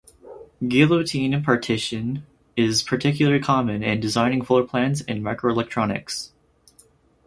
Guillotine partition is particularly common in designing floorplans in microelectronics.